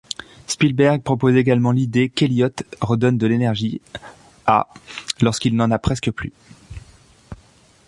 Spielberg propose également l'idée qu'Elliott redonne de l'énergie à lorsqu'il n'en a presque plus.